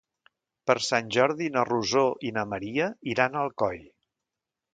Per Sant Jordi na Rosó i na Maria iran a Alcoi.